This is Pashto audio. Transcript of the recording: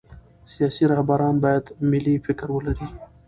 سیاسي رهبران باید ملي فکر ولري